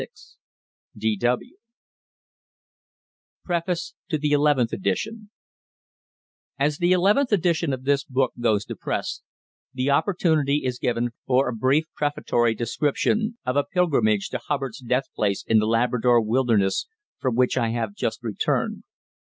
PREFACE TO ELEVENTH EDITION As the eleventh edition of this book goes to press, the opportunity is given for a brief prefatory description of a pilgrimage to Hubbard's death place in the Labrador Wilderness from which I have just returned.